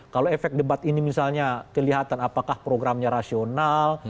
kalau efek debat ini misalnya kelihatan apakah programnya rasional